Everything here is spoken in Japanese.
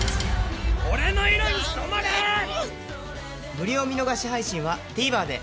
無料見逃し配信は ＴＶｅｒ で